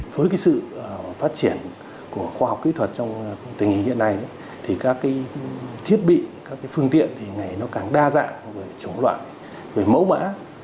với sự phát triển của khoa học kỹ thuật trong tình hình hiện nay các thiết bị các phương tiện ngày càng đa dạng chống loạn mẫu mã